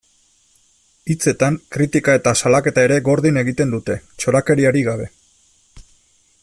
Hitzetan, kritika eta salaketa ere gordin egiten dute, txorakeriarik gabe.